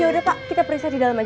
ya udah pak kita periksa di dalam aja